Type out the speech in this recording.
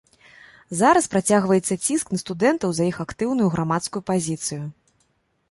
Зараз працягваецца ціск на студэнтаў за іх актыўную грамадскую пазіцыю.